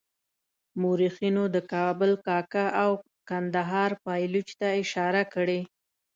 مورخینو د کابل کاکه او کندهار پایلوچ ته اشاره کړې.